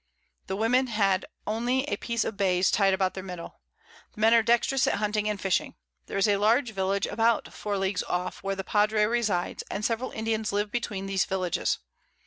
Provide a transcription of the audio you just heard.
The Women had only a Piece of Bays tied about their Middle. The Men are dextrous at hunting and fishing. There is a large Village about 4 Leagues off, where the Padre resides, and several Indians live between these Villages.